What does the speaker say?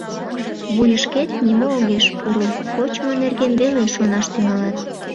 Вуйышкет нимо огеш пуро, кочмо нерген веле шонаш тӱҥалат.